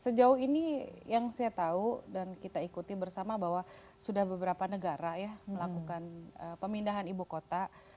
sejauh ini yang saya tahu dan kita ikuti bersama bahwa sudah beberapa negara ya melakukan pemindahan ibu kota